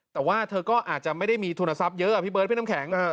แต่ว่าเธอก็อาจจะไม่ได้มีทุนทรัพย์เยอะพี่เบิร์ดพี่น้ำแข็ง